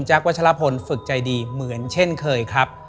วัชลพลฝึกใจดีเหมือนเช่นเคยครับ